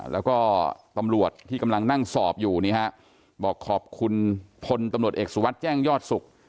แล้วก็ตำรวจที่กำลังนั่งสอบอยู่นี่ฮะบอกขอบคุณพลตำรวจเอกสุวัสดิ์แจ้งยอดสุข